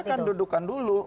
ya kita akan dudukan dulu